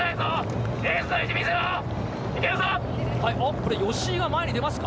これ、吉居が前に出ますか？